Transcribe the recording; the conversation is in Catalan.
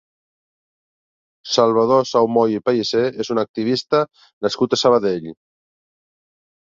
Salvador Saumoy i Pellicer és un activista nascut a Sabadell.